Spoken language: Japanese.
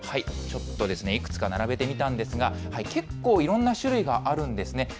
ちょっといくつか並べてみたんですが、結構いろんな種類があるんですね。